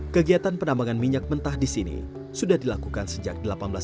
kegiatan penambangan minyak mentah di sini sudah dilakukan sejak seribu delapan ratus enam puluh